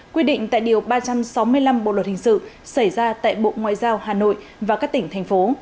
quy định tại điều ba trăm sáu mươi năm bộ luật hình sự xảy ra tại bộ ngoại giao hà nội và các tỉnh thành phố